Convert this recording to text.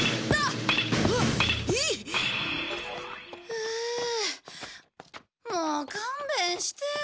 ふうもう勘弁してよ。